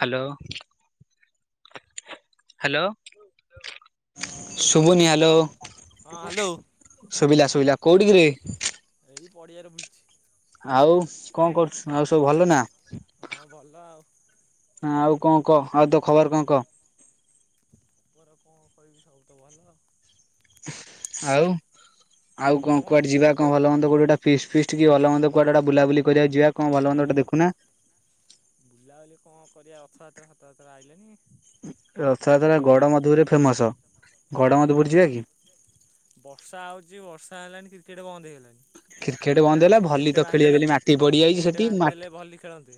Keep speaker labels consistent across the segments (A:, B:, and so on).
A: Hello. Hello ଶୁଭୁନି hello?
B: ହଁ hello.
A: ଶୁ ଭିଲା ଶୁଭିଲା କୋଉଠିି କିରେ?
B: ଏଇ ପଡ଼ିଆରେ ବୁଲୁଛି।
A: ଆଉ କଣ କରୁଛୁ ଆଉ ସବୁ ଭଲ ନା?
B: ହଁ ଭଲ ଆଉ
A: ହଁ ଆଉ କଣ କହ ଆଉ ତୋ ଖବର କଣ କହ?
B: ଖବର କଣ କହିବି ସବୁ ତ ଭଲ।
A: ଆଉ ଆଉ କଣ କୁଆଡ଼େ ଯିବା କଣ ଭଲ ମନ୍ଦ କୋଉଠି ଗୋଟେ ଫିଷ୍ଟ ଫିଷ୍ଟ ଟି ଭଲମନ୍ଦ କୁଆଡ଼େ ଗୋଟେ ବୁଲାବୁଲି କରିବାକୁ ଯିବା କଣ ଭଲ ମନ୍ଦ ଗୋଟେ ଦେଖୁ ନା।
B: ବୁଲାବୁଲି କଣ କରିବା ରଥଯାତ୍ରା ରତଯାତ୍ରା ଆଇଲଣି।
A: ରଥଯାତ୍ରା ଗଡ଼ ମଧପୁରରେ ଫେମସ ଗଡ଼ ମଧପୁର ଯିବା କି?
B: ବର୍ଷା ହଉଛି ବର୍ଷା ହେଲାଣି କ୍ରିକେଟ୍ ବନ୍ଦ ହେଇଗଲାଣି।
A: କ୍ରିକେଟ୍ ବନ୍ଦ ହେଲା ଭଲି
B: ନେଟ୍
A: ତ ଖେଳିବେ
B: ବାନ୍ଧିଦେଲେ
A: ବଲି ମାଟି ପଡ଼ିଯାଇଛି
B: ନେଟ୍
A: ସେଠି
B: ବାନ୍ଧିଦେଲେ
A: ମାଟ
B: ଭଲି ଖେଳନ୍ତେ।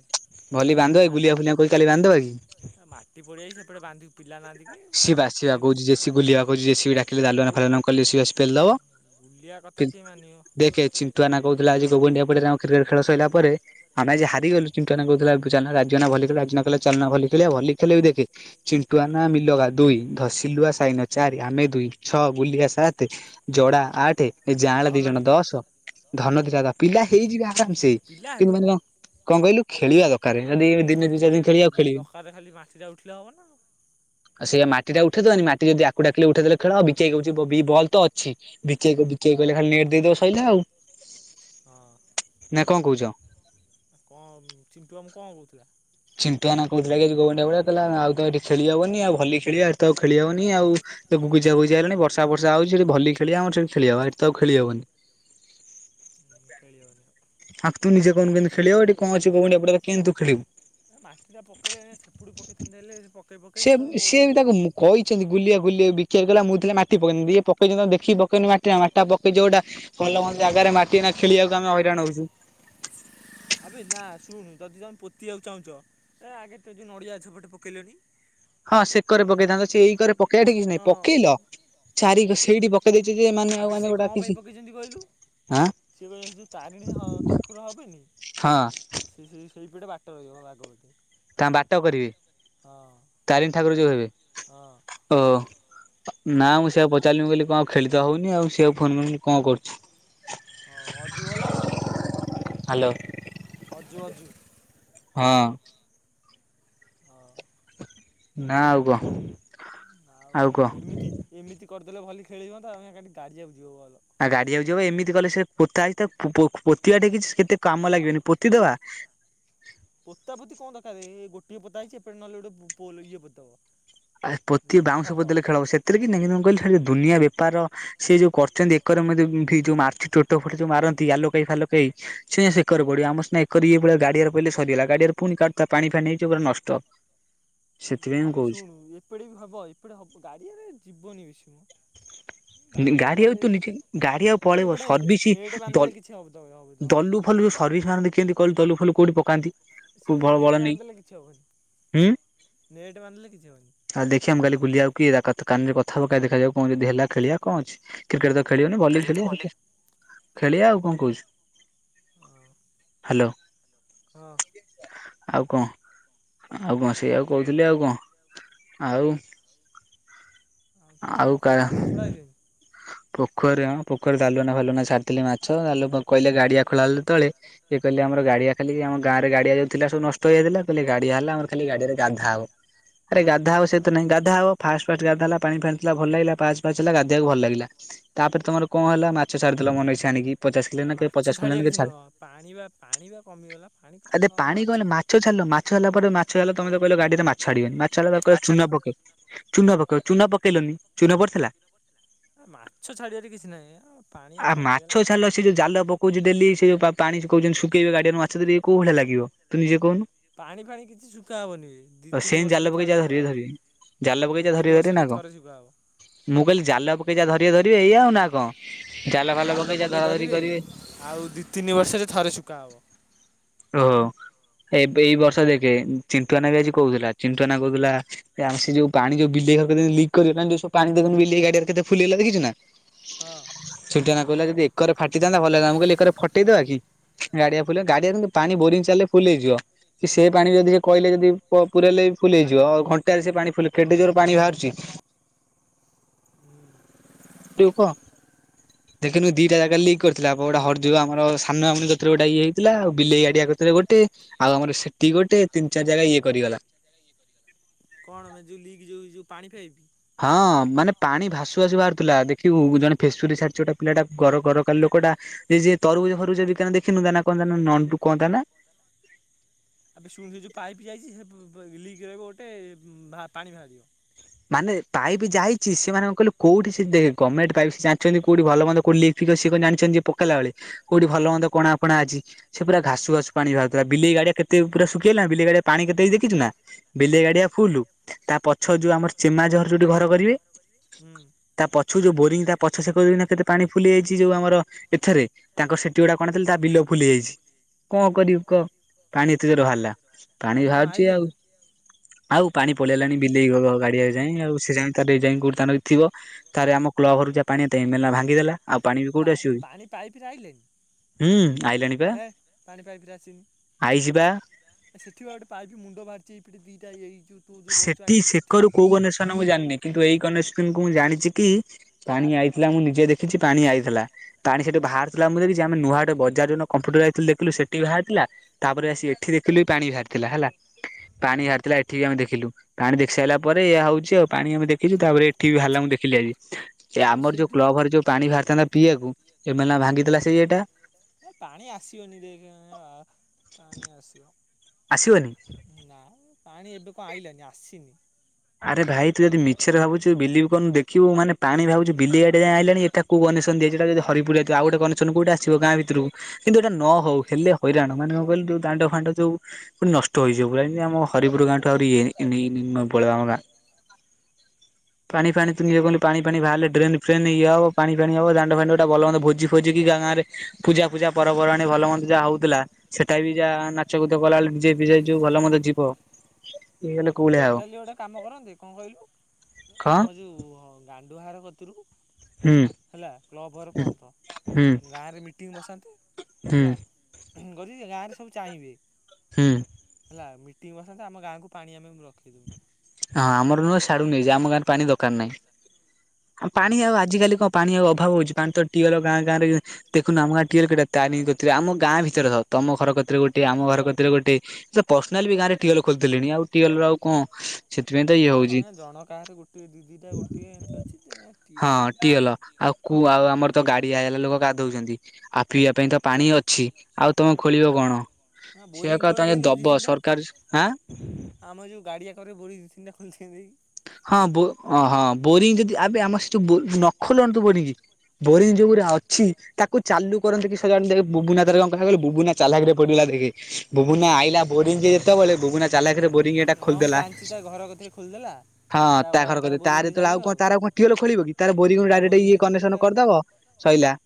A: ଭଲି
B: ନେଟ୍ ଟା
A: ବାନ୍ଧିଦେବାକି ଏଇ
B: ମା
A: ବୁଲିଆ ଫୁଲିଆ କହି କାଲି ବାନ୍ଧିଦବା କି?
B: ମାଟି ପଡ଼ିଯାଇଛି ସେପଟେ ବାନ୍ଧିବୁ ପିଲା ନାହାନ୍ତି ବାନ୍ଧିକି ଖେଳିବୁ।
A: ବୁଲିଆ କହୁଚି ଜେଶିପି ଡାକିଲେ ଦାଲୁଅନା ଫାଲୁଅନା କହିଁଲେ ଯେଶିପି ଆସି ପେଲିଦେବ
B: ବୁଲିବା କଥା
A: ତୁ
B: କିଏ ମାନିବ
A: ଦେଖେ ଚି ଚିଣ୍ଟୁ ଆନା କହୁଥିଲା ଆଜି ଗୋବଣ୍ଡିଆ ପଡ଼ିଆରେ ଆମ କ୍ରିକେଟ୍ ଖେଳ ସଇଲା ପରେ ଆମେ ଆଜି ହରିଗଲୁ ଚିଣ୍ଟୁ ଆନା କହୁଥିଲା ଚାଲୁନା ରାଜୁ ନା ଭଲି ଖେଳିବା ରାଜୁନା କହିଲା ଚାଲୁନା ଭଲି ଖେଳିବା ଭଳି ଖେଳିଲେ ଯଦି ଦେଖେ ଚିଣ୍ଟୁଆ ନା ମିଲଗା ଦୁଇ ଧ ସିଲୁଆ ସାଇନ ଚାରି ଆମେ ଦୁଇ ଛଅ ବୁଲିଆ ସାତେ ଜଡ଼ା ଆଠେ ଏଇ ଜାଆଁଳା
B: ଧନ
A: ଦି ଜଣ
B: ଦିଟା
A: ଦଶ ଧନୁଦ ଦାଦା ପିଲା ହେଇଯିବେ ଆରାମ୍ ସେ
B: ପିଲା
A: କିନ୍ତୁ
B: ହେବେ ମ।
A: ମେଲା କଣ କହିଲୁ ଖେଳିବା ଦରକାର [unintelligible] ଆଉ ଖେଳିବେନି।
B: ତାପରେ ଖାଲି ମାଟିଟା ଉଠିଲେ ହେବ ନା ଆଉ।
A: ଆଉ ସେଇଆ ମାଟି ଟା ଉଠେଇଦବାନି ମାଟି ଯଦି ଆକୁଡାକିଲେ ଉଠେଇଦେଲେ ଖେଳ [unintelligible] ବି ବଲ ତ ଅଛି। ବିକି ଭାଇ କହୁ ବିକେଇ କହିଲା ଖାଲି ନେଟ ଦେଇଦବ ସଇଲା ଆଉ।
B: ହଁ।
A: ନା କଣ କହୁଚ?
B: କଣ ଚିଣ୍ଟୁ ମାମୁଁ କଣ କହୁଥିଲା?
A: ଚିଣ୍ଟୁ ଆନା କହୁଥିଲା କି [unintelligible] କହିଲା ଆଉ ତ ଏଠି ଖେଳି ହବନି ଆଉ ଭଲି ଖେଳିଆ ତ ଆଉ ଖେଳି ହବନି ଆଉ ସବୁ ବୁଝା ବୁଝି ହେଲାଣି ବ ର୍ଷା ବର୍ଷା ହଉଚି ସେଠି ଭଲି ଖେଳିବା ଆମର ସେଠି ଖେଲିବା ବା ଏଠି ତ ଆଉ ଖେଳି ହବନି।
B: ଖେଳିହବନି ଆଉ।
A: ଆଖ୍ ତୁ ନିଜେ କହୁନୁ କେମିତି ଖେଳିହବ ଏଠି କଣ ଅଛି ଗୋବଣ୍ଡିଆ ପଡ଼ିଆ ରେ କେନ୍ତି ତୁ ଖେଳିବୁ।
B: ଏଁ ମାଟିଟା ପକେଇଲେ ସେପଟୁ ପକେଇଥାନ୍ତେ ହେଲେ ସେ ପକେଇ
A: ସେ
B: ପକେଇ ତମକୁ
A: ସିଏ ବି
B: କହିଚନ୍ତି।
A: ତାକୁ କହିଛନ୍ତି ଗୁଲିଆ ଗୁଲିଆ ବିକାରି କଲା ମୁଁ ଥିଲା ମାଟି ପକେଇଛନ୍ତିି ଇଏ ପକେଇଛନ୍ତି ଦେଖିକି ପକେଇବନି ମାଟିଟା ମାଟିଟା ପକେଇଚ ଗୋଟା ଭଲ ମନ୍ଦ ଜାଗାରେ ମାଟି ଏଇନା ଖେଳିବାକୁ ଆମେ ହଇରାଣ ହଉଚୁ।
B: ଆବେ ନା ଶୁଣୁ ଯଦି ତମେ ପୋତିବାକୁ ଚାହୁଁଚ ଏ ଆଗେ ତ ଯୋଉ ନଡିଆ ଗଛ ପଟେ ପକେଇଲନି।
A: ହଁ ସେକରେ ପକେଇଥାନ୍ତ ସେ ଏଇକରେ ପକେଇବାଠି କିଛି ନାଇଁ
B: ହଁ
A: ପକେଇଲ ଚ୍ଛାରିକି ସେଇଠି ପ କେଇଦେଇଚି ଯେ ଏମାନେ
B: ଆବେ
A: ଆଉ ମାନେ
B: ସିଏ
A: ଗୋଟା
B: କଣ ପାଇଁ
A: ଆପିସି।
B: ପକେଇଛନ୍ତି କହିଲୁ ସିଏ କହୁଚନ୍ତି ଯୋଉ ତାରିଣୀ ହ ଠାକୁର ହବେନି।
A: ହଁ
B: ସେ ସେଇ ସେଇ ପଟେ ବାଟ ରହିିବ ଆଗପଟେ।
A: ତାଙ୍କ ବାଟ କରିବେ ତାରିଣୀ ଠାକୁର ଯୋଉ
B: ହଁ
A: ରହିବେ ଓ। ନା
B: ସେଇ ଯୋଉ
A: ମୁଁ ସେଆକୁ ପଚାରିଲି ମୁଁ
B: ପକେଇଛନ୍ତି
A: କହିଲି କଣ ଆଉ ଖେଳିତ ହଉନି ଆଉ ସେଆକୁ ଫୋନ୍ କରିକି କଣ କରୁଛୁ।
B: ହଉ ଅଜୁ ଗଲା କି
A: ହ୍ୟାଲୋ।
B: [unintelligible] ଅଜୁ ଅଜୁ।
A: ହଁ।
B: ହ।
A: ନା ଆଉ କହ।
B: ଆଉ କଣ ଏମିତି ଏମିତି କରିଦେଲେ ଭଲି ଖେଳି ହୁଅନ୍ତା ଆମେ ଖାଲି ଗାଡିଆକୁ ଯିବ ବଲ।
A: ଆ ଗାଡିଆକୁ ଯିବ ଏମିତି କଲେ ସେ ପୋତା ହେଇଥାଉ ପୋ ପୋ ପୋତିିବାଠେ କିଛି କେତେ କାମ ଲାଗିବନି ପୋତିଦବା।
B: ପୋତା ପୋତି କଣ ଦରକାରେ ଏ ଏ ଗୋଟିଏ ପୋତା ହେଇଛି ହେପଟେ ନହଲେ ଗୋଟେ ପୋଲ୍ ଇଏ ପୋତିଦବ।
A: ଆରେ
B: ଉଁ
A: ପୋତି ବାଉଁଶ
B: ଖମ୍ବ।
A: ପୋତିଦେଲେ ଖେଳ ହବ ସେଥିରେ କିଛି ନାଇଁ କିନ୍ତୁ ମୁଁ କହିଲି ଶଳା ଏ ଦୁନିଆ ବେପାର। ସେ ଯୋଉ କରଚନ୍ତି ଏକରେ ମୁଁ ଯଉ ଭି ଯୋଉ ମାରଛି ଚୋଟ ଫୋଟ ଯୋଉ ମାରନ୍ତି ଆଲୋକେଇ ଫୋଲୋକେଇ। ସେ ସେକରେ ପଡିବ ଆମ ସିନା ଏକରି ଇଏଭଳିଆ ଗାଡିଆରେ ପଇଲେ ସରିଗଲା ଗାଡିଆରେ ଫୁଣି କାଢୁଥା ପାଣି ଫାଣି ହେଇଯିବ ପୁରା ନଷ୍ଟ। [inaudible] ମୁଁ
B: ନାବେ
A: କହୁଛି।
B: ଶୁଣୁ ଏପଟେ ବି ହବ ଏପଟେ ହବ ଗାଡିଆରେ ଯିବନି ବେଶି ମଁ।
A: [inaudible] [unintelligible] ଗାଡିଆକୁ ତୁ ନିଜେ ଗାଡିଆକୁ ପଳେଇବ
B: ସେପଟେ
A: ସର୍ଭିସି
B: ନେଟ୍
A: ଦ
B: ବାନ୍ଧିଦେଲେ କିଛି ହବ ଦ ହବ ତ ହବନି।
A: ଦଲୁ। ଫଲୁ ଯେଉଁ ସର୍ଭିସ୍ ମ୍ୟାନ ଦେ କେନ୍ତି କଲୁ ତଲୁ ଫଲୁ କୋଉଠି ପକାନ୍ତି?
B: ସେପଟେ
A: ବଳ ବଳ
B: ନେଟେ
A: ନେଇ
B: ବାନ୍ଧିଲେ କିଛି ହବନି
A: ହୁଁ
B: ନେଟେ ବାନ୍ଧିଲେ କିଛି ହବନି।
A: ଆଉ ଦେଖିବା ମୁଁ କାଲି ବୁଲିବାକୁ କିଏ ବା କଥ କାନରେ କଥା ହବ କାଳେ ଦେଖାଯାଉ କଣ ଯଦି ହେଲା ଖେଳିବା କଣ ଅଛି। କ୍ରିକେଟ୍ ତ ଖେଳିବନି ଭଲି ଖେଳିବା ଏତେ ଖେଳିବା ଆଉ କଣ କହୁଛୁ।
B: ହଁ।
A: ହାଲୋ।
B: ହଁ।
A: ଆଉ କଣ ଆଉ ମାସେ ଆଉ କହିଥିଲି ଆଉ କଣ। ଆଉ।
B: କଣ
A: ଆଉ କା
B: ପୋଖରୀରେ ମାଛ ଛଡା ହେଇଛନ୍ତି?
A: ପୋଖରୀ ହଁ ପୋଖରୀ ଯାଲୁଆ ନାହିଁ ଭାଲୁଆ ନାହିଁ ଛାଡ଼ଥିଲେ ମାଛ ଆଲୋ କହିଲେ ଗାଡିଆ ଖୋଲହେଲେ ତଳେ। ସିଏ କହିଲେ ଆମର ଗାଡିଆ ଖାଲି ଯେ ଆମ ଗାଁ ରେ ଗାଡିଆ ଯଉଥିଲା ସବୁ ନଷ୍ଟଇଥିଲା କହିଲେ ଗାଡିଆ ହେଲା ଆର ଖାଲି ଗଡିରେ ଗାଧା ହବ। ଆରେ ଗାଧା ହଉ ସେ ତ ନାଇଁ ଗାଧା ହବ ଫାଷ୍ଟ ଫାଷ୍ଟ ଗାଧା ହେଲା। ପାଣି ଫାଣିଥିଲା ଭଲ ଲାଗିଲା ପାଆଚ ପାଆଚ ହେଲା ଗାଧେଇବାକୁ ଭଲ ଲାଗିଲା ତାପରେ ତମର। କଣ ହେଲା ମାଛ ଛାଡ଼ିଦେଲା ମନଇଛା ଆଣିକି ପଚାଶ
B: ଆ
A: କିଲ ନାକେ
B: ମାଛ
A: ପଚାଶ କିଲ
B: ଛାଡିବା
A: ନାକେ
B: କିଛି
A: ଛା
B: ନୁହଁ ପାଣି ବା। ପାଣି ବା କମିଗଲା ପାଣି
A: ଆରେ
B: କମ୍ ନହେଲେ
A: ପାଣି କଣ ହେଲା
B: ମାଛ କାଇଁ।
A: ମାଛ ଛାଡିଲ ମାଛ ଧରିଲ ପରେ ମାଛ ଧଲ ତମେ ତ କହିଲ ଗାଡିରେ ମାଛଡିବନି ମାଛରିଲା ପରେ କ ଚୁନ ପକେଇବ ଚୁନ ପକେଇବ ଚୁନ ପକେଇଲନି ଚୁନ ପଡିଥିଲା?
B: ଆ ମାଛ ଛାଡିବାରେ କିଛି ନାହିଁ ଆଉ ପାଣିଆ
A: ଆ ମାଛ
B: କମିଗଲା
A: ଛାଡିଲ ସେ ଯୋଉ ଜାଲ ପ କହୁଛି ଡେଲି ସେ ପା ପାଣି କହୁଛନ୍ତି ଶୁକେଇବେ ଗାଡିଆରେ ମାଛ ଧ ଦେବି କୋଉ ଭଳିଆ ଲାଗିବ ତୁ ନିଜେ କହୁନୁ?
B: ପାଣି ଫାଣି କିଛି ଶୁଖା ହବନିବେ ଦି
A: ଆଉ
B: ତିନି
A: ସେମିତି ଜାଲ
B: ବର୍ଷରେ
A: ପକେଇ
B: ଥରେ
A: ଯାହା
B: ଶୁଖା
A: ଧରିବେ
B: ହବ।
A: ଧରିବେ ଜାଲ ପକେଇ
B: ଦି
A: ଯାହା ଧରିବେ
B: ତିନି
A: ଧରିବେ ନା
B: ବର୍ଷି
A: କଣ?
B: ଥରେ ସୁକା ହବ।
A: ମୁଁ କହିଲି ଜାଲ ପକେଇଯା ଧରିବେ ଧରିବେ ଏଇଆଉ ନା କଣ
B: ହଁ
A: ଜାଲ ଫାଲ ପକେଇଯା
B: ପକେଇ
A: ଧରା ଧରି
B: ଧରିବେ।
A: କରିବେ।
B: ଆଉ ଦି ତିନି ବର୍ଷରେ ଥରେ ଶୁକା ହବ।
A: ଓହୋ ଏବେ ଏଇ ବର୍ଷ ଦେଖେ ଚିଟୁଆନା ବି ଆଜି କହୁଥିଲା ଚିଟୁଆନା କହୁଥିଲା ଆମ ସେ ଯୋଉ ପାଣି ଯୋଉ ବିଲେଇ ଘର କତିରେ ଲିକ୍ କରିଗଲା ଯୋଉ ସବୁ ପାଣି ଦେଖୁନୁ ବିଲେଇ ଗାଡିଆରେ କେତେ ଫୁଲ୍ ଗଲା ଦେଖିଚୁନା?
B: ହଁ।
A: ଛୁଟିଆନା କହିଲା ଯଦି ଏକରେ ଫାଟିଥାନ୍ତା ଭଲ ହେଇଥାନ୍ତା ମୁଁ କହିଲି ଏକରେ ଫଟେଇଦବା କି ଗାଡିଆ ଫୁଲ ଗାଡିଆ କିନ୍ତୁ ପାଣି ବୋରିଙ୍ଗ ଚାଲିଲେ ଫୁଲ୍ ହେଇଯିବ। ସେ ପାଣି ଯଦି କହିଲେ ଯଦି ପ ପୁରେଇଲେ ବି ଫୁଲି ହେଇଯିବ ଆଉ ଘଣ୍ଟାରେ ସେ ପାଣି ଫୁଲ କେଡେ ଜୋରରେ ପାଣି ବାହାରୁଚି।
B: ହୁଁ।
A: ତୁ କହ? ଦେଖିନୁ ଦିଟା ଜାଗାରେ ଲିକ କରିଥିଲା ବଡ ହଡ ଯୋଉ ଆମର ସାନ ଆ ଗତରେ ଗୋଟେ ଇଏ ହେଇଥିଲା ଆଉ ବିଲେଇ ଆଡିଆ କତିରେ ଗୋଟେ। ଆଉ ଆମର ସେଟି ଗୋଟେ ତିନି ଚାରି ଜାଗା ଇଏ କରିଗଲା।
B: କଣ ବେ ଯେଉ ଲିକ୍ ଯଉ ଯଉ ପାଣି ପାଇପି?
A: ହଁ ମାନେ ପାଣି ଭାସୁ ଭାସୁ ବାହାରୁଥିଲା ଦେଖିବୁ ଜଣେ ଫେସବୁକରେ ଛାଡିଚି ଗୋଟେ ପିଲାଟା ଗର ଗର କାଲି ଲୋକଟା। ଏ ଜିଏ ଯେ ତରଭୁଜ ଫରୁଭୁଜ ବିକେନା ଦେଖିନୁ ତାନା କଣ ତାନା ନଣ୍ଡୁ କଣ ତା ନା?
B: ଆବେ ଶୁଣୁ ସେ ଯୋଉ ପାଇପ୍ ଯାଇଛି ସେ ପୁ ପୁ ଲିକ୍ ରହିବ ଗୋଟେ ଭା ପାଣି ବାହାରିବ।
A: ମାନେ ପାଇପି ଯାଇଛି ସେମାନେ କଣ କହିଲୁ କଉଠି ସେ ଦେ ଗମେଣ୍ଟ ପାଇପ୍ ସେ ଜାଣିଛନ୍ତି କଉଠି ଭଲ ମନ୍ଦ କଉ ଲି ଥିବ ସିଏ କଣ ଜାଣିଛନ୍ତି ଏ ପକେଇଲା ବଳେ କୋଉଠି ଭଲ
B: ହଁ
A: ମନ୍ଦ କଣା ଆପଣ ଆଜି ସେ ପୁରା ଘାସୁ ଘାସୁ ପାଣି ବାହାରୁଥିଲା ବିଲେଇ ଗାଡିଆ କେତେ ପୁରା ଶୁଖିଇଗଲା ବିଲେଇ ଗାଡିଆ ପାଣି କେତ ହେଇଚି ଦେଖିଚୁ ନା? ବିଲେଇ ଗାଡିଆ ଫୁଲୁ ତା ପଛ ଯୋଉ ଆମର ଚେମାଝର ଯୋଉଠି ଘର କରିବେ।
B: ହୁଁ।
A: ତା ପଛୁକୁ ଯୋଉ ବୋରିଂ ତା ପଛ ସେ କଦିନ କେତେ ପାଣି ଫୁଲିଯାଇଛି ଯୋଉ ଆମର ଏଥେରେ ତାଙ୍କ ସେଠି ଗୁଡା କଣ ଥିଲେ ତା ବିଲ ଫୁଲ୍ ଯାଇଛି କଣ କରିବୁ କହ ପାଣି ଏତେ ଜୋର ରେ ବାହାରିଲା। ପାଣି
B: କଣ
A: ବାହାରୁଚି ଆଉ
B: ଆଇଲାନି?
A: ଆଉ ପାଣି ପଳେଇ ଆଇଲାଣି ବିଲେଇ ଘର ଗାଡିଆ ଯାଏଁ ଆଉ ସେ ଯାଇ ତାର ଯାଇ କଉଠି ତାଙ୍କର ଥିବ। ତାରେ ଆମ କ୍ଳବ ଘରୁ ଯାହା ପାଣି ପାଇଁ ଏମେଲା ଭାଙ୍ଗିଦେଲା ଆଉ ପାଣି ବି
B: ପା
A: କୋଉଠି ଆସିବ କି?
B: ପାଣି ପାଇପ୍ ରେ ଆଇଲାନି?
A: ହୁଁ ଆଇଲାଣି। ପା
B: ହେ ପାଣି ପାଇପି ରେ ଆସିନି।
A: ଆଇଛି ପା
B: ଆ ସେଠିବା ଆ ଗୋଟେ ପାଇପ୍ ମୁଣ୍ଡ ବାହାରଚି ଏଇପଟେ ଦିଟା ଏଇ ଯୋଉ ତୁ ଯୋଉ ବଇଛୁ
A: ସେଠି
B: ଆଗରେ ସେଠି।
A: ସେକରୁ କୋଉ ଗଣେଶନ ମୁଁ ଜାଣିନି କିନ୍ତୁ ଏଇ କନେସଙ୍କୁ ମୁଁ ଜାଣିଛି କି ପାଣି ଆଇଥିଲା ମୁଁ ନିଜେ ଦେଖିଚି ପାଣି ଆଇଥିଲା। ପାଣି ସେଠୁ ବାହାରିଥିଲା ମୁଁ ଦେଖିଚି ଆମେ ନୂଆ ଆଡେ ବଜାର କମ୍ପ୍ୟୁଟର ଯାଇଥିଲୁ ଦେଖିଲୁ ସେଠି ବାହାରି ଥିଲା। ତାପରେ ଆସି ଏଠି ଦେଖିଲୁ ବି ପାଣି ବାହାରିଥିଲା ହେଲା ପାଣି ବାହାରିଥିଲା ଏଠି ବି ଆମେ ଦେ ଦେଖିଲୁ ପାଣି ଦେଖି ସାରା ପରେ ଏଇଆ ହଉଛି ଆଉ ପାଣି ଆମେ ଦେଖିଛୁ ତାପରେ ଏଠି ବି ବାହାରା ମୁଁ ଦେଖିଲି ଆଜି। ଏ
B: ଆଉ
A: ଆମର ଯୋଉ
B: ସେଇଠି
A: କ୍ଲବଘରେ ଯୋଉ ପାଣି ବାହାରିଥାନ୍ତା ପିଇବାକୁ ଏମେନା ଭାଙ୍ଗିଦେଲା ସେଇ ଇଏଟା।
B: ପାଣି ଆସିବନି ଦେଖେ ଆ ପାଣି ଆସିବ।
A: ଆସିବନି?
B: ନା ପାଣି ଏବେ କଣ ଆଇଲାନି ଆସିନି।
A: ଆରେ ଭାଇ ତୁ ଯଦି ମିଛରେ ଭାବୁଚୁ ବିଲିବି କରୁନୁ ଦେଖିବୁ ମାନେ ପାଣି ଭାବୁଛୁ ବିଲେଇ ଗାଡିଆ ଯାଏ ଆଇଲାଣି ଏଟା କୁ କନେଷନ ଯଦ ହରିପୁର ଯିବ ଆଉ ଗଟେନ କୋଟ ଆଶିବ ଗାଁ ଭିତରକୁ। [unintelligible] କିନ୍ତୁ ଏଇଟା ନ ହଉ ହେଲେ ହଇରାଣ ମାନେ କଣ କହିଲୁ ଯୋଉ ଦାଣ୍ଡ ଫାଣ୍ଡ ଯୋଉ ନଷ୍ଟ ହେଇଯିବ ପୁରା ଯେମିତି ଆମ ହରିପୁରୁ ଗାଁଠୁ ଆହୁରି ଇଏ ନି ନିମାପଡ଼ା ଆମ ଗାଁ। [inaudible] ପାଣି ଫାନି ତୁ ନିଜେ କହୁନୁ ପାଣି ଫାନି ବାହାରିଲେ ଡ୍ରନ୍ ଫେନ୍ ଇଏ ହବ ପାଣି ଫେଣ ହବ ଦାଣ୍ଡ ଫାଣ୍ଡ ଗୋଟେ ଭଲ ମନ୍ଦ ଭୋଜି ଫୋଜି କି ତାଙ୍କ ଗାଁରେ ପୂଜା ଫୁଜା ପର୍ବ ପର୍ବାଣି ଭଲ ମନ୍ଦ ଯାହା ହଉଥିଲା। ସେଟାବି ଯା ନାଚ କୁଦ କଲାବେଳକୁ ଡିଯେ ପିଯେ ଯାଉ ଭଲ ମନ୍ଦ ଯିବ ଏଗଲେ କୋଭଳିଆ ହବ।
B: ଟୋଟାଲି ଗୋଟେ କାମ କରନ୍ତି କଣ କହିଲୁ
A: କଣ
B: ଆମ ଯୋଉ ଗାଣ୍ଡୁ ହର କତିରୁ
A: ହୁଁ
B: ହେଲା କ୍ଲବ ଘର ପଯନ୍ତ।
A: ହୁଁ
B: ଗାଁରେ ମିଟିଂ ବସାନ୍ତେ
A: ହୁଁ
B: ହେଲା କଦ ଗାଁରେ ସବୁ ଚାହିଁବେ।
A: ହୁଁ।
B: ହେଲା ମିଟିଙ୍ଗ ବସନ୍ତେ ଆମ ଗାଁକୁ ପାଣି ଆମେ ରଖିଦଉୁ
A: ହଁ ଆମର ନୁହଁ ସେଆଡକୁ ନେଇଯା ଆମ ଗାଁରେ ପାଣି ଦରକାର ନାହିଁ। ପାଣି
B: ହଁ।
A: ଆଉ ଆଜିକାଲି କଣ ପାଣି ଆଉ ଅଭାବ ହଉଚି ପାଣି ତ ଟିଅଲ ଗାଁ ଗାଁରେ ଦେଖୁନ ଆମ ଗାଁ ଟିଅଲ କେତେ ଟା ତରେନି କତିରେ ଆମ ଗାଁ ଭିତରର ତମ ଘର କତିରେ ଗୋଟେ ଆମ ଘର କତୀରେ ଗୋଟେ ସେ ପର୍ସନାଲ ବି ଗାଁରେ ଟିଓଲ ଖୋଲି ଦେଲଣି ଆଉ ଟିଓଲ ର ଆଉ କଣ ସେଥିପାଇଁ ତ ଇଏ
B: ତିିଅର
A: ହଉଛି।
B: ହେ ଜଣ କାହାର ଗୋଟଏ ଦିଦିଟା ଗୋଟିଏ ଏମିତି ଅଛି।
A: ହଁ
B: ଟିଅଲ ଆଉ
A: ଟିୱଲ୍ ଆଉ କୂଅ ଆଉ ଆମର ତ ଗାଡିରେ ଲୋକ ଗାଧଉଛନ୍ତି। ଆଉ ପିଇବା ପାଇଁ ତ ପାଣି ଅଛି ଆଉ ତମେ ଖୋଳିବ କଣ?
B: ନା ବୋରିଂ
A: ସେଇକଥା
B: ଖୋଳନ୍ତି ହେଲେ ଦି
A: ଦବ
B: ତିନିଟା
A: ସରକାର ଆଁ
B: ଆମ ଏ ଯେଉଁ ଗାଡ଼ିଆ କରେ ବୋରିଂ ଦି ତିନ୍ ଟା ଖୋଳି ଦିଅନ୍ତେ କି?
A: ହଁ ବୋ ହଁ ହଁ ବୋରିଙ୍ଗ ଯଦି ଏବେ ଆମ ସେ ଯୋଉ ନଖନଟୁ ବୋରିଂ। ବୋରିଂ ଯୋଉ ଗୁରା ଅଛି ତାକୁ ଚାଲୁ କରନ୍ତେ କି? ସଜାଡି ସେଇଆକୁ। ବୁବୁନା ତାର କଣ କଲା କଇଲୁ ବୁବୁନା ଚାଲାକିରେ ପଡ଼ିଗଲା ଦେଖେ ବୁବୁନା ଆଇଲା ବୋରିଂ ଯେତେବେଳେ ବୁବୁନା ଚାଲଖିରେ
B: ହଁ ମୁଁ ଜାଣିଛି। ତା ଘର କଥରେ ଖୋଳିଦେଲା
A: ହଁ ତା ଘର କତିରେ ତାର ଯେତେବେଳେ ଆଉ କଣ ତାର କଣ ଟୁୱଲ୍ ଖୋିଳିବ କି ତାର ବୋରିଂରୁ
B: ତା
A: ଡାଇରେକ୍ଟ ଇଏ
B: ବୋରିଂରେ ଚାଲିବ
A: କନେସନ
B: ଡାଇରେକ୍ଟ
A: କରିଦବ ସଇଲା।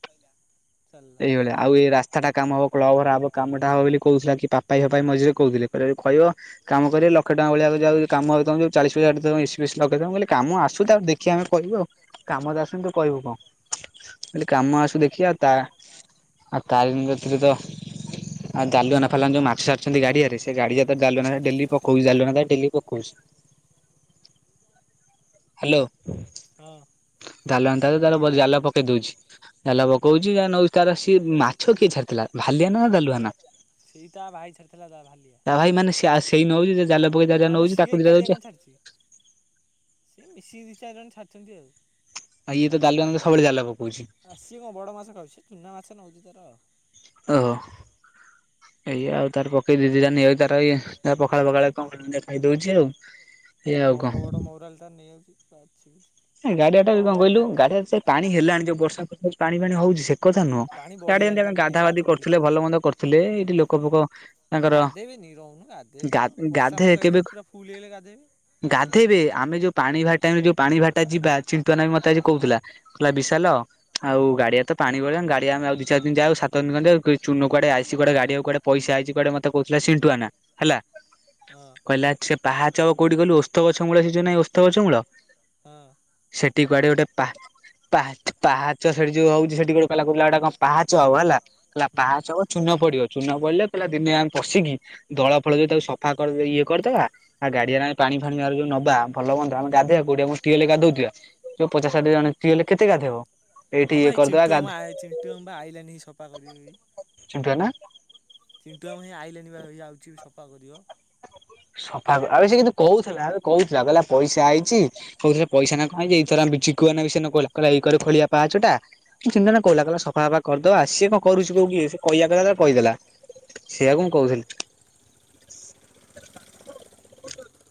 B: ସରିଲା।
A: ଏଇଭଳିଆ ଆଉ ଏଇ ରାସ୍ତାଟା କାମ ହବ କ୍ଲଭ ଘର ହବ କାମ ଟା ହବ ବୋଲି କହୁଥିଲା। କି ପାପା ପାଇଁ ମଝିରେ କହୁଥିଲେ କହିଲେ ଯଦି କହିବ। କାମ କରିବେ ଲ ଲକ୍ଷେ ଟଙ୍କା ଭଳିଆ ଯଦି ଆଉ କାମ ତମେ ଯୋଉ ଚାଳିଶ ପଇସା ଏଠି ତ ତମେ ଏସି ପେସି ଲଗେଇବ। ମୁଁ କଇଲି କାମ ଆସୁ ତାପରେ ଦେଖିବା ଆମେ କହିବୁ ଆଉ। କାମତ ଆସୁନି ତୁ କହିବୁ କଣ ଯଦି କାମ ଆସୁ ଦେଖିବା ତା ଆଉ ତାରିଣୀଙ୍କ କତିରେ ତ
B: [unintelligible]
A: ଆଉ ଜାଲୁଆନା ଫାଲୁଆନା ଯୋ ମାଛ ଛାଡୁଛନ୍ତି ଗଡିରେ ସେ ଗାଡିଆ ତ ଜାୁଆନା ଡେଲି ପକଉଚି ଜାଲୁଆନା ଡେଲି ପକଉଛି। ହାଲୋ।
B: ହଁ।
A: ଦଳିଆନା ତାର ଜାଲ ପକେଇ ଦଉଛି। ଜାଲ ପକଉଛି ଯା ନଉଛି ତାର ସିଏ। ମାଛ କିଏ ଛାଡ଼ିଥିଲା ଭାଲିଆାନ ନା ଦାଲୁଆନା।
B: ସେଇ ତା ଭାଇ ଛଡିଥିଲା ତା ଭାଲିଆ
A: ତା ଭାଇ ମାନ ସେଇ ନଉଛି ଯା ଜାଲ ପକୋଇଚି ଯାହା
B: ମାନେ
A: ନଉଛି
B: ସିଏ
A: ତାକୁ ଦିଟା
B: ଏକାଟିଆ
A: ଦଉଚି
B: କଣ
A: ଆଉ।
B: ଛାଡିଛି। ମିଶିକି ଦି ଚାରି ଜଣ ଛାଡ଼ିଛନ୍ତି ଆଉ।
A: ଇଏ ତ ଦାଲୁଆନା ତ ସବୁବେଳେ ଜାଲ ପକୋଉଛି।
B: ଆ ସିଏ କଣ ବଡ଼ ମାଛ ଖାଉଛି? ଚୁନା ମାଛ ନେଉଛି ତାର ଆଉ।
A: ଓହୋ। ଏଇା ଆଉ ତାର ପକେଇ ଦି ଦିଟା ନେଇଆଉଚି ତାର ଇଏ ପଖାଳ ଫଖାଳ କଣ ଦିଟା ଖାଇଦଉଛି ଆଉ। ଏଇଆ ଆଉ କଣ
B: ବଡ଼ ବଡ଼ ମହୁରାଳି ଟା ନେଇଆଉଛି ତ ଅଛି।
A: ସେ ଗାଡିଆ ଟା ଯେ କଣ କହିଲୁ ଗାଡିଆରେ ସେ ପାଣି ହେଲାଣି ଯୋଉ ବର୍ଷା ପକାଉଚି ପାଣି ଫାଣି ହଉଛି ସେ ସେକଥା ନୁହଁ
B: ପାଣି ବଢିଲାନି
A: ଗଡ଼ିଆଟା
B: ବା
A: ଆମେ
B: ଗୋଟେ
A: ଗାଧା
B: ପାହାଚ
A: ଗାଧି କରୁଥିଲେ
B: ବୁଡିଛି।
A: ଭଲ ମନ୍ଦ କରୁଥିଲେ ଏଇଠି ଲୋକ ଫୋକ ତାଙ୍କର
B: ଗାଧେଇବେନି ରହୁନୁ ଗାଧେଇବେ
A: ଗା
B: ନା ଆଉ ବର୍ଷା
A: ଗାଧେ
B: ମାସ
A: କେବେ
B: ହେଇଗଲେ ପୁରା ଫୁଲ ହେଇଗଲେ ଗାଧୋଇବେ।
A: ଗାଧେଇବେ ଆମେ ଯୋଉ ପାଣି ଭାର ଟାଇମ୍ ରେ ଯୋଉ ପାଣି ଭାରଟା ଯିବା ଚିନ୍ତ୍ଵଆନା ବି ମତେ ଆଜି କହୁଥିଲା। କଇଲା ବିଶାଲ ଆଉ ଗାଡିଆ ତ ପାଣି ଗୋଳିଆ ଗାଡିଆ ଆମେ ଆଉ ଦି ଚାରି ଦିନି ଯାଉ ସାତ ଦିନି ଖଣ୍ଡେ ଯାଉ ଚୂନ କୁଆଡ ଆସିଚି କୁଆଡେ ଗାଡିଆକୁ କୁଆଡେ ପଇସା ଆଇଚି କୁଆଡେ ମତେ କହୁଥିଲା ସିଡୁଆନା ହେଲା
B: ହଁ।
A: କହିଲା ସେ ପାହାଚ ହବ କୋଉଠି କହିଲୁ ଓସ୍ତ ଗଛ ମୂଳ ସେ ଯଉ ନାହିଁ ଓସ୍ତ ଗଛ ମୂଳ
B: ହଁ।
A: ସେଠି କୁଆଡେ ଗୋଟେ ପା ପାହାଚ୍ ପାହାଚ ସେଠି ଯୋଉ ହଉଛି ସେଠି କଣ କହିଲା ବୁଲା ଗୋଟେ କଣ ପାହାଚ ହବ ହେଲା। ହେଲା
B: ହୁଁ
A: ପାହାଚ ହବ ଚୂନ ପଡିବ ଚୂନ ପଡିଲେ କହିଲା ଦିନେ ଆମେ ପଶିକି ଦଳ ଫଳ ଯୋଉ ତାକୁ ସପ୍ ସଫା କରିଦେଇ ଇଏ କରିଦବା ଆଉ ଗାଡିଆରେ ଆମେ ପାଣି ଫାଣିି ଏଗରାକ ଯୋଉ ନବା ଭଲ ମନ୍ଦ ଆମେ ଗାଧୋଇବା କଉଠି ଆ ଟ୍ୟୁୱଲ୍ ରେ ଗାଧୋଉଥିବା ଯୋଉ ପଚାଶ୍ ଷାଠିଏ
B: ହୁଁ
A: ଜଣ ଟ୍ୟୁୱାଲ୍ ରେ କେତେ ଗାଧେଇବ? ଏଇଠି
B: ହଁ
A: ଇଏ
B: ବା ଏଇ
A: କରିଦବା
B: ଚିଣ୍ଟୁଆମୁ
A: ଗାଧେ
B: ଆଇ ଚିଣ୍ଟୁଆମୁ ପା ଆଇଲାନି ସଫା କରିବ ବି
A: ଚିଣ୍ଟୁଆନା
B: ଚିଣ୍ଟୁଆମୁ ହେଇ ଆଇଲେଣି ବା ହେଇ ଯାଉଛି ସଫା କରିବ।
A: ସଫା କ ଆବେ ସେ କିନ୍ତୁ କହୁଥିଲା ଆବେ କହୁଥିଲା କହିଲା ପଇସା ଆଇଚି [inaudible] ଚିଣ୍ଟୁ ଭାଇନା କହିଲା ସଫା ଫପା କରିଦବା ସିଏ କଣ କରୁଛି କୋଉଠି ଇଏ ସିଏ କହିଆ କଥା ଯାହା କହିଦେଲା। ସେଇଆ କୁ ମୁଁ କହୁଥିଲି।